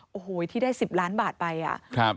โอ้โหที่ได้๑๐ล้านบาทไปอ่ะครับ